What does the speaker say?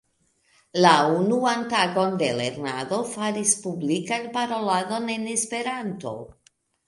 La unuan tagon de lernado faris publikan paroladon en Esperanto.